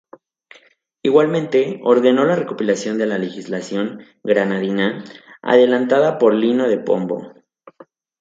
Igualmente, ordenó la recopilación de la legislación granadina, adelantada por Lino de Pombo.